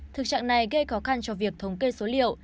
thực trạng này gây khó khăn cho việc thống kê số liệu